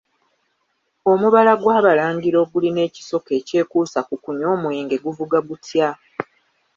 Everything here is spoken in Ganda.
Omubala gw'Abalangira ogulina ekisoko ekyakuusa ku kunywa omwenge guvuga gutya?